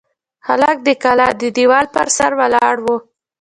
هلک د کلا د دېوال پر سر ولاړ و.